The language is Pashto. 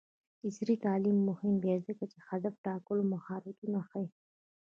عصري تعلیم مهم دی ځکه چې د هدف ټاکلو مهارتونه ښيي.